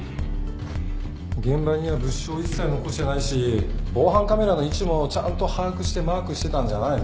現場には物証一切残してないし防犯カメラの位置もちゃんと把握してマークしてたんじゃないの？